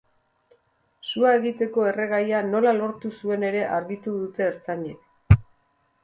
Sua eragiteko erregaia nola lortu zuen ere argitu dute ertzainek.